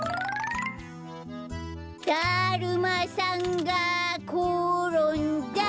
だるまさんがころんだ！